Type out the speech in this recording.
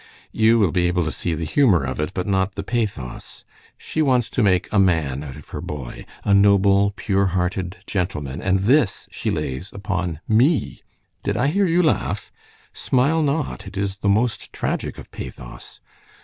You will be able to see the humor of it, but not the pathos. She wants to make a man out of her boy, 'a noble, pure hearted gentleman,' and this she lays upon me! Did I hear you laugh? Smile not, it is the most tragic of pathos.